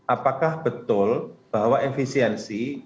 apakah betul bahwa efisiensi